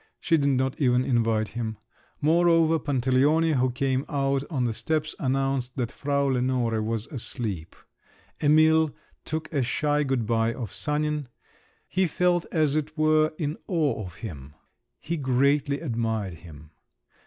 She did not even invite him. Moreover Pantaleone, who came out on the steps, announced that Frau Lenore was asleep. Emil took a shy good bye of Sanin; he felt as it were in awe of him; he greatly admired him.